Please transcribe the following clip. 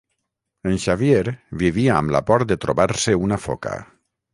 En Xavier vivia amb la por de trobar-se una foca.